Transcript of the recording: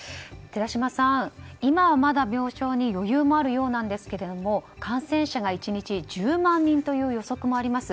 寺嶋さん、今はまだ病床に余裕があるようですが感染者が１日１０万人という予測もあります。